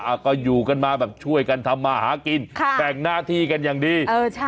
อ่ะก็อยู่กันมาแบบช่วยกันทำมาหากินค่ะแบ่งหน้าที่กันอย่างดีเออใช่